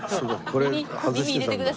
これ外してたんだ。